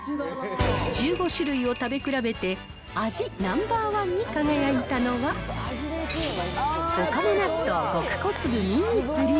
１５種類を食べ比べて、味ナンバー１に輝いたのは、おかめ納豆極小粒ミニ３。